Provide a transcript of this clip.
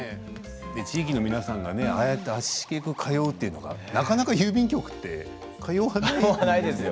地域の皆さんがああやって足しげく通うというのがなかなか郵便局って通わないから。